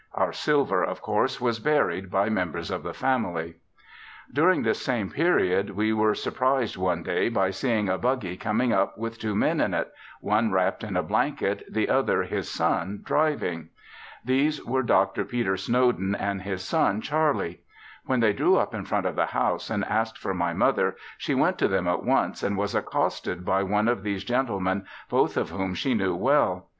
Our silver of course was buried by members of the family. During this same period we were surprised one day by seeing a buggy coming up with two men in it, one wrapped in a blanket, the other, his son, driving. These were Dr. Peter Snowden and his son Charlie. When they drew up in front of the house and asked for my mother she went to them at once and was accosted by one of these gentlemen, both of whom she knew well.